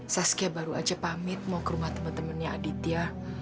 saskia baru aja pamit mau ke rumah temen temennya aditya